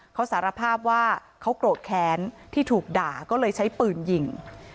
เขาสารภาพว่าเขาโกรธแค้นที่ถูกด่าก็เลยใช้ปืนยิง